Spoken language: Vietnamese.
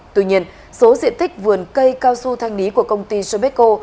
tuy nhiên số diện tích vườn cây cao su thanh lý của công ty sobeco